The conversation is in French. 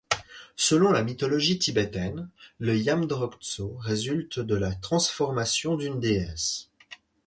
Selon la mythologie tibétaine, le Yamdrok-Tso résulte de la transformation d'une déesse.